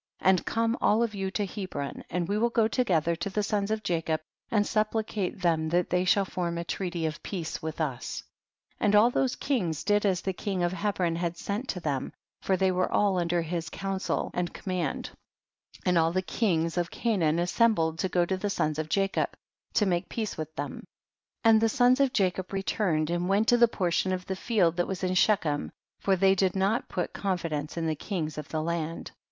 26. And come all of you to He bron, and we will go together to the sons of Jacob, and supplicate them that they shall form a treaty of peace with us. 27. And all those kings did as the king of Hebron had sent to them, for they were all under his counsel and command, and all the kings of Ca naan assembled to go to the sons of Jacob, to make peace with them ; and the sons of Jacob returned and went to the portion of the field that was in Shechem, for they did not })ut confidence in the kings of the land.